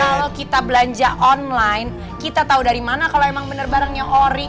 kalau kita belanja online kita tahu dari mana kalau emang bener barangnya horing